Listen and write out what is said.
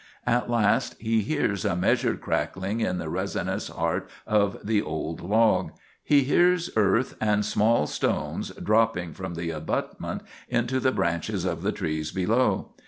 At last he hears a measured crackling in the resinous heart of the old log. He hears earth and small stones dropping from the abutment into the branches of the trees below.